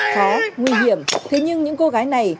khó nguy hiểm thế nhưng những cô gái này